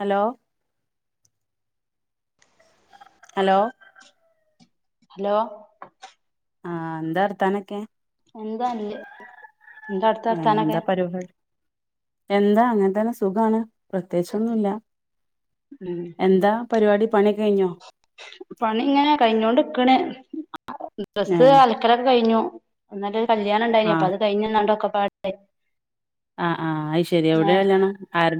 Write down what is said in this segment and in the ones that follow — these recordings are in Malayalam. ഹലോ ഹലോ ഹലോ ആ എന്താ വർത്താനക്കെ എന്താ അല്ല് എന്താ അടുത്ത ആ എന്താ വർത്താനൊക്കെ പരിപാടി എന്താ അങ്ങനെ തന്നെ സുഖാണ് പ്രത്യേകിച്ചൊന്നുംല്ല ഉം എന്താ പരിപാടി പണിക്കഴിഞ്ഞോ പണി ഇങ്ങനെ കഴിഞ്ഞോണ്ട്ക്കണ് ഏ ഡ്രസ്സ് അലക്കലൊക്കെ കഴിഞ്ഞു എന്നട്ട് കല്യാണം ആ ഉണ്ടായിനി അപ്പൊ അത് കഴിഞ്ഞന്നാണ്ടൊക്കെ പാട ആ ആ അത് ശരി എവിടെ കല്യാണം ആരു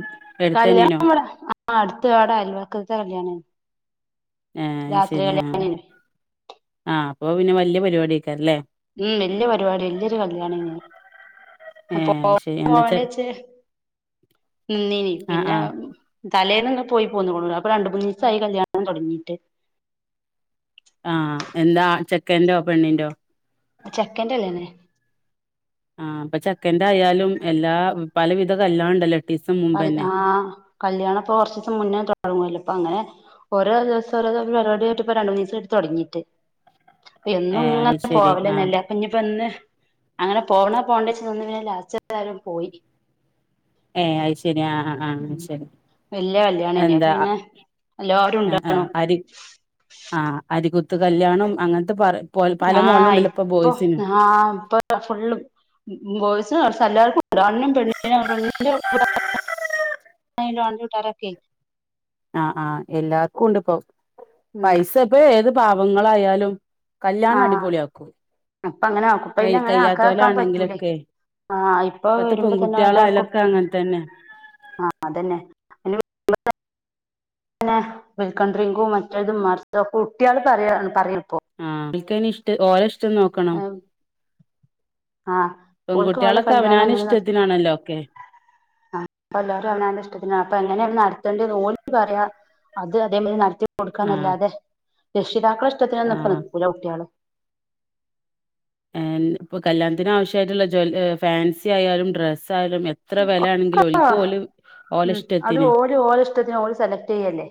കല്യാണംമ്മടെ ആ അടുത്തവിടെ അയൽവക്കത്തെ കല്യാണരുന്നു ഏ അത് രാത്രി ശരി ആ കല്യാണം ആരുന്നു ആ അപ്പൊ പിന്നെ വലിയ പരിപാടിക്കാ അല്ലേ ഉം വല്യ പരിപാടി വല്യൊരു കല്യാണാരുന്നു ഏ പോ ശരി എന്താ പോവാണ്ട ചെ വച്ച് നിന്നീന് ആ ആ പിന്നെ തലേന്ന് ഒന്ന് പോയി പോന്നുക്കുണ് അപ്പൊ രണ്ട് മൂന്ന് ദിവസ ആയി കല്യാണം തുടങ്ങിട്ട് ആ എന്താ ചെക്കന്റോ പെണ്ണിന്റോ ചെക്കൻന്റെ കല്യാണം തന്നെ ആ അപ്പൊ ചക്കന്റെ ആയാലും എല്ലാ പല വിധ എല്ലാം ഉണ്ടല്ലോ എട്ടീസം മുമ്പന്നെ ആ കല്ല്യാണപ്പൊ കുറച്ച് ദിവസം മുന്നേ തുടങ്ങല്ലോ ഇപ്പൊ അങ്ങനെ ഓരോ ദിവസം ഓരോ ഒരു പരിപാടിയായിട്ട് ഇപ്പൊ രണ്ട് മൂന്ന് ദിവസആയി തുടങ്ങിട്ട് ഏ എന്നും അത് ഇങ്ങനെ ശരി ആ പോവലന്നല്ലേ അപ്പൊ ഇനിപ്പോ ഒന്ന് അങ്ങനെ പോവണ പോണ്ടേച്ച് നിന്ന് പിന്നെ ലാസ്റ്റ് എല്ലാരും പോയി ഏയ് അത് ശരി ആ ആ ഉം ശരി വല്യ കല്യാണേനി അപ്പൊ എന്താ പിന്നെ എല്ലാരും ആ ആ ഉണ്ടാരുന്നു അരി ആ അരികുത്ത് കല്യാണം അങ്ങനത്തെ പറ ആ ഇപ്പൊ ആ ഇപ്പൊ ഫുള്ള് ബോയിസ് കുറച്ച് എല്ലാവർക്കും ണ്ണും പെണ്ണീനും പെണ്ണിന്റെണ്ടട്ടാരക്കെ ആ ആ എല്ലാർക്കും കൊണ്ട് ഇപ്പോ ഉം പൈസ ഇപ്പൊ ഏത് പാവങ്ങളായാലും കല്യാണം അടിപൊളിയ ആക്കൂ അപ്പൊ അങ്ങനെ ആക്കും ഇപ്പ അ അങ്ങനെ ആക്കാക്കാൻ പറ്റൂലേ ആ ഇപ്പൊ ഇപ്പത്തെ വരുമ്പോ തന്നെ എല്ലാവർക്കും പെൺകുട്ടികളായാലൊക്കെ അങ്ങനെ തന്നെ ആ അതന്നെ മ ഉം വെൽകം ഡ്രിങ്ക് മറ്റേതും മറിച്ചതും കുട്ടികള് പറയാണ് ഇപ്പോ ആ അവർക്ക് തന്നെ ഇഷ്ടം ഓരോ ഇഷ്ടം നോക്കണം ആ ഓൾക്ക് ഓലെ പെൺകുട്ടികളൊക്കെ കല്യാണം അവനാന് എങ്ങനെ നട ഇഷ്ടത്തിനാണല്ലോ ഒക്കെ ആ ഇപ്പ എല്ലരും അവന ഇഷ്ടത്തിനാ ണ് അപ്പ എങ്ങനെയ ഓര് പറയാ അത് അതേമാതിരി നടത്തി ആ കൊടുക്കാന്നല്ലതെ രക്ഷിതാക്കള ആ ഇഷ്ടത്തിന്ന്ഒന്നും ഇപ്പ നിക്കൂല കുട്ടികള് ഉം ഇപ്പ കല്യാണത്തിന് ആവശ്യമായിട്ടുള്ള ജുവല ഫാൻസി ആയാലും ഡ്രസ്സ് ലും എത്ര വില ഒക്കെ ആണെങ്കിലിൽ ഒരിക്ക്‌ ഓലും ഉം അത് ഓര് ഓര ഇഷ്ടത്തിന് ഓര് സെലക്ട് ചെയ്യല്ലേ.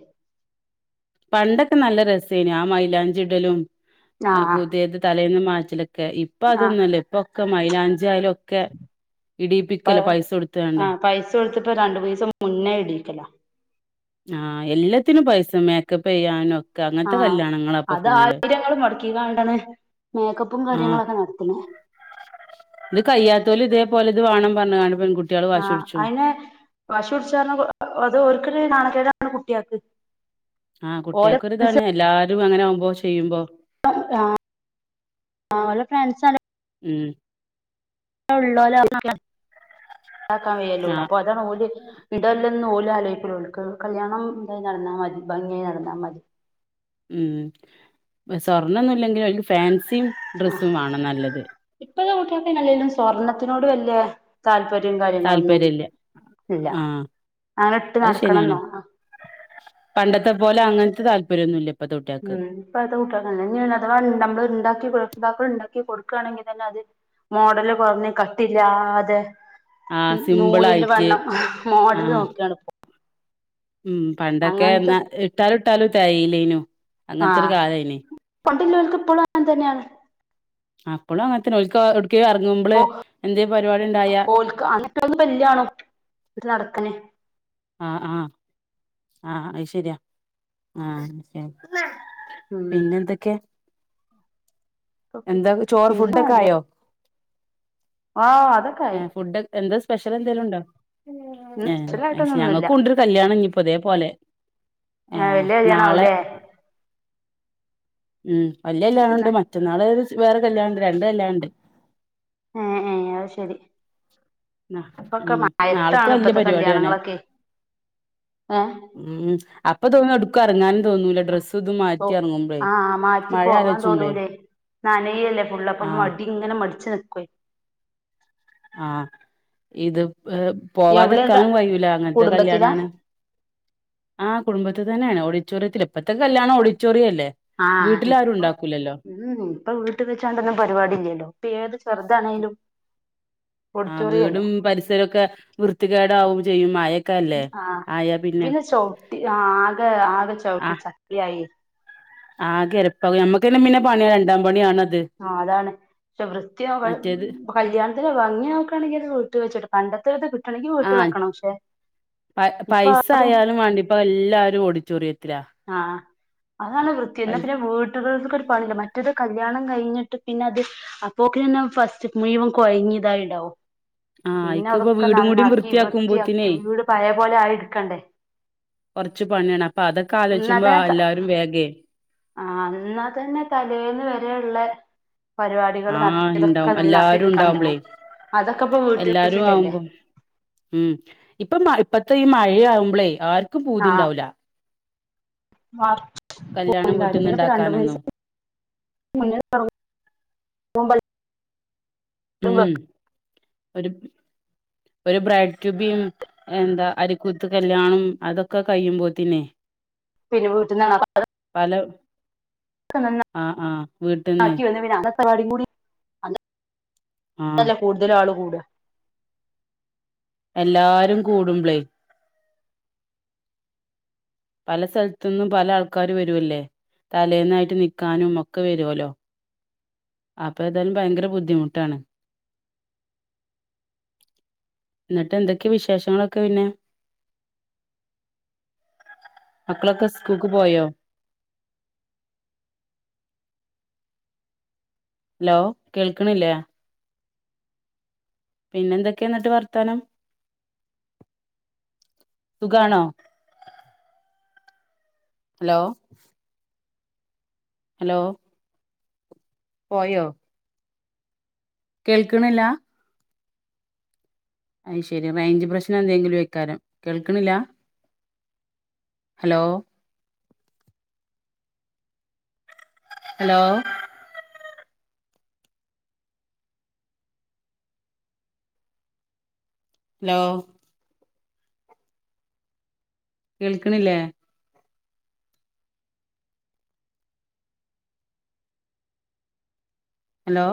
പണ്ടൊക്കെ നല്ല രസേന് ആ മയിലാഞ്ചി ഇടലും ആഹ് പുതേത് തലേന്ന് മാറ്റലൊക്കെ. ക്കെ ഇപ്പൊ ആഹ് അതൊന്നുല്ല ഇപ്പൊക്കെ മൈലാഞ്ചി ആയാലൊക്കെ. അ ആ പൈസ കൊടുത്പ്പ രണ്ട് മൂനീസം മുന്നേ ഇടീക്കല. ആഹ എല്ലാത്തിനും പൈസ മേക്കപ്പയ്യാനും. ആഹ അത് ആയിരങ്ങൾ മുടക്കിണ്ടാണ് മേക്കപ്പും ആഹ് കാര്യങ്ങളൊക്കെ നട്തണേ. ഇത് കയ്യാത്തോലും ഇതേപോലെ ഇത് വേണം പർഞ്ങ്ങാട് ആഹ അയ്ന് പശു പിടിച്ചാ അർ അത് ഓല്ക്കൊരു നാണക്കേടാണ്. പ്പ കുട്ടിയാക്ക്. കുട്ട്യാകൊര്താണ് എല്ലാരു അങ്ങനാവുമ്പോ ചെയ്യുമ്പോ ആ ഓലെ ഫ്രണ്ട്സാ ഉം ള്ളോലാവുമ്പോ ഇദാകാ ആഹ് അപ്പ ദാണ് ഓല്. [unintelligible] ഓല് ആലോയ്കൂല ഓല്ക് കല്യാണം ഇതായി ഭാഗ്യയി നട്ന്നാമതി. ഉം സ്വർണൊന്നുംല്ലെങ്കിൽ ഓൽക് ഫേൻസിം ഡ്രെസ്സും വാണം നല്ലത്. ഇപ്പഴത്തെ കുട്ട്യാൾക്ക ല്ലങ്കിലും സ്വർണ്ണത്തിനോട് വലിയ താല്പര്യ രും കാര്യങ്ങളൊന്നും താല്പര്യല്ല ഇല്ല ആഹ് അങ്ങനെ ഇട്ട് അത് ശരിയാണ് നടക്കണംെന്നോ പണ്ടത്തെ പോലെ അങ്ങനത്തെ താല്പര്യമൊന്നുല്ലപൊ. ഉം ഇപ്പ അത കൂട്ട്യാ ഇഞ്ഞി അഥവാ നമ്മള് ഉണ്ടാക്കികൊ നമ്മൾ ഇണ്ടാകി കൊട്കാണങ്ങി തന്നെ അത് മോഡല് കുറഞ് കട്ടില്ലാതെ ആ സിമ്പിൾ നൂലിന്റെ ആയിട്ട് വണ്ണം മോഡല് ആഹ് നോകാണ്പ്പോ ഉം പണ്ടൊക്കൊ ഇട്ടാലും ഇട്ടാലും തെയീലേയ്ന്നു. ആഹ പണ്ടുള്ളോൽക് ഇപ്പലും അങ്ങൻ തന്നെയാണ്. അപ്പളും അങ്ങൻതന്നെ ഓൽക് കേലും ഇറങ്ങുമ്പള് ഇപ്പൊ എന്തേലും പരിപാടി ഉണ്ടായ ഇത് നടക്കനെ. ആ ആഹ ആഹ അ ശരിയാ ആഹ ശരിഅ. ഉം പിന്നെ എന്തൊക്കെയ. എന്താ ചോറ് ഫുഡൊക്കെ ആയോ? ആഹ അതൊക്കായി. ഏഹ് ഫുഡ് എന്താ സ്പെഷ്യൽ എന്തെലുണ്ടോ ഉം സ്പെഷ്യലായിട്ടൊന്നുംന്നുല്ല ഞങ്ങൾക്കുണ്ട് ര് കല്യാണം ഇനിപ്പോ ഇതേ പോലെ. ഏ വല്യ നാളെ. കല്യാണാവൂലേ ഉം വല്യ കല്യാണ ഉണ്ട് മറ്റന്നാള് വേറെൊ കല്യാണണ്ട് രണ്ണ്ട് കല്യാണ്ട്. എ ഏ അഹ് ശെരി. ആ ഉം നാളത്തെ വല്യ ഇപ്പത്തെ പരിവാട്യാണെ. കല്യാണങ്ങളൊക്കെ ഏഹ് ഉം അപ്പൊ തോനും എടുക്കുറങ്ങാന തോന്നൂല ഡ്രസ് ഇതും അപ്പൊ മാറ്റി എർങ്ങുമ്പളേ ആഹ് മാറ്റി മഴ പോവാൻ ആലോയ്ചുബളേ. തോന്നൂലേ നനയല്ലേ ഫുളളപ്പൊ മടി ഇങ്ങനെ മടിച്ച് നികൊയ്. ആ ഇത്. ഏ എവിടെന്നിട്ട് പോവാതെക്കാനും കയൂല അങ്ങത്തെ കുടുംബത്തിലാ കല്യാണാണ്. ആ കുടുംബത് തന്നെണ് ഓഡിറ്റോറിയത്തില് ഇപ്പത്തെ കല്യാണം ഓഡിറ്റോറിയല്ലെ. ആ ഇപ്പൊ. ഉം ഇപ്പൊ വീട്ട് വെച്ചാണ്ടൊന്നും പരിപാടില്ലല്ലോ ഇപ്പൊ ഏത് ചേറ്താണേലും ആ വീടും പരിസരോക്കെ വൃത്തികേടാവും ചെയ്യും മയക്കെല്ലേ ആഹ് ആയ പിന് പിന്നെ ചൗട്ടി ആ ആകെ ആകെ ചവിട്ടി ആഹ് ചപ്ലിയായി ആകെ എരപ്പാകു ഞമ്മക്കന്നെ പിന്ന പണി രണ്ടാം പണി ണ് ആ അതാണ് പക്ഷെ വൃത്തിയോക മറ്റേത് കല്യാണത്തിന് ഭംഗി നോകാണെങ്കി അത് വീട്ട് വെച്ചിട്ട് [unintelligible] ആ വീട്ടിൽ വെക്കണം പക്ഷെ പ ഇപ്പൊ പൈസ ആയാലും വേണ്ടിപ്പ എല്ലാരും ഓടി ആംഅതാണ് വൃത്തി എന്നാ പൈസ പിന്നെ വീട്ടുകൾക്ക പണ്ട്. മറ്റത് കല്യാണം കയിഞ്ഞിട്ട് പിന്നത് അപ്പോക്ക്ന്നെ ഫസ്റ്റ് മുയുവൻ കൊയഞ് ഇതായിടാവും ആ പിന്നെ അയിക്ക് ഇപ്പ അതൊക്കെ വീടും കൂടി നന്നാക്കി വൃത്തിയാക്കി വൃത്തിയാക്കുമ്പോത്തിനേ വീട് പയേപോലെ ആയെടുക്കണ്ടേ? കൊറച്ച് പണിയണ് അപ്പൊ അതൊക്കെ ആലോചിച്ചുമ്പോ എല്ലാരും വേഗയേ ആ അത് ന്നാതന്നെ തലേന്ന് വരേള്ളെ പരിപാടികൾ ആഹ് നടത്തിയതൊക്കെ ഇണ്ടാവും നന്നാക്കി എല്ലാരും ഉണ്ടാവുമ്പളേ എടുക്കാണ്ടാവും. അതൊക്കെപ്പൊ വീട്ടിൽ എല്ലാരും വെച്ചിട്ടല്ലേ? ആവുമ്പം ഉം. ഇപ്പംമ ഇപ്പത്തെ ഈ മഴയാവുമ്പളേ ആർക്കും ആഹ് പൂതിണ്ടാവൂല. കല്യാണം വീട്ടിന്ന് ഇണ്ടാക്കാനൊന്നും [unintelligible] [unintelligible] ഉം. വെക്കും വരും. ഒരു ബ്രൈഡ് ട്യൂബിയും എന്താ അരിക്കൂത്ത് കല്യാണം അതൊക്കെ കഴിയുമ്പോത്തിന് പിന്നെ വീട്ടന്ന [unintelligible] ആ ആ വീട്ടിന്ന് ക്കി വന്ന പിന്നെ അന്നത്തെപാടി കൂടി ആ അല്ല കൂടുതല്ആള് കൂടും. എല്ലാരും കൂടുമ്പ്ളേ പല സ്ഥലത്തു നിന്നും പല ആൾക്കാര് വരുവല്ലേ? തലേന്നായിട്ട് നിക്കാനും ഒക്കെ വരുവല്ലോ? അപ്പൊ ഏതാലും ഭയങ്കര ബുദ്ധിമുട്ടാണ്. എന്നിട്ട് എന്തൊക്കെയ വിശേഷങ്ങളൊക്കെ പിന്നെ? മക്കളൊക്കെ സ്കൂക്ക് പോയോ? ലോ കേൾക്കണില്ലേ? പിന്നെന്തൊക്കെയാ ന്നിട്ട് വർത്താനം? സുഖാണോ? ഹലോ ഹലോ പോയോ? കേൾക്കണില്ല? അയ് ശരി റേഞ്ച് പ്രശ്നം എന്തെങ്കിലും വെക്കാരം കേൾക്കണില്ല? ഹലോ ഹലോ ലോ കേൾക്കണില്ലേ? ഹലോ